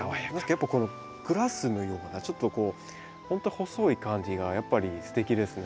何かこのグラスのようなちょっとこうほんと細い感じがやっぱりすてきですね。